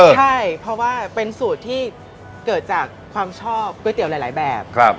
ใช่เพราะว่าเป็นสูตรที่เกิดจากความชอบก๋วยเตี๋ยวหลายแบบ